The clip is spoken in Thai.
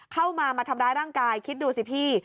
เข้ามามาทำร้ายร่างกายคิดดูสิพี่